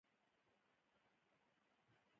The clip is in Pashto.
يو تور بېګ هم ورسره و.